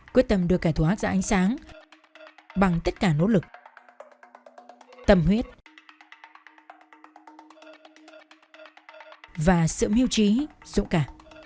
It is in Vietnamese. quyết tâm đưa cả thu hát ra ánh sáng bằng tất cả nỗ lực tâm huyết và sự mưu trí dũng cả